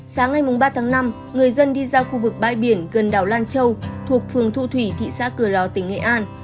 sáng ngày ba tháng năm người dân đi ra khu vực bãi biển gần đảo lan châu thuộc phường thu thủy thị xã cửa lò tỉnh nghệ an